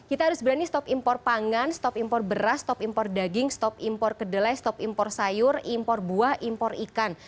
kita harus berani stop impor pangan stop impor beras stop impor daging stop impor kedelai stop impor sayur impor buah impor ikan